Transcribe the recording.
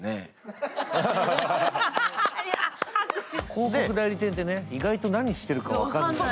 広告代理店ってね、意外と何してるか分からない。